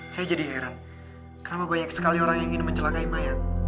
saya jadi heran kenapa banyak sekali orang yang ingin mencelakai mayang